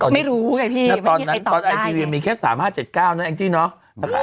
ไม่รู้ไงพี่ตอนไอทีวีมีแค่๓๕๗๙เนี่ยเองที่เนาะ